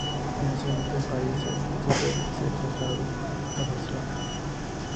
Inicialmente en París, su sede se trasladó a Barcelona.